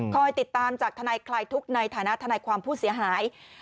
ติดตามจากทนายคลายทุกข์ในฐานะทนายความผู้เสียหาย